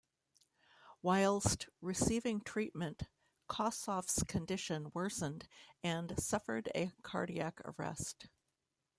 Whilst receiving treatment, Kossoff's condition worsened and suffered a cardiac arrest.